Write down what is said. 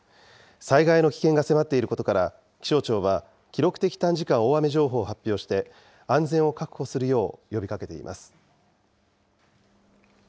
災害の危険が迫っていることから、気象庁は記録的短時間大雨情報を発表して、安全を確保するよう呼びかけています。